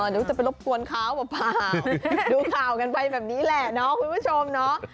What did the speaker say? เดี๋ยวจะไปรบกวนเขาเปล่าดูข่าวกันไปแบบนี้แหละคุณผู้ชม